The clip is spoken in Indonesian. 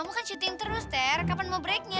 kamu kan syuting terus ter kapan mau breaknya